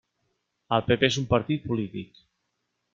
El PP és un partit polític.